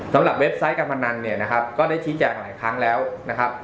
เว็บไซต์การพนันเนี่ยนะครับก็ได้ชี้แจงหลายครั้งแล้วนะครับ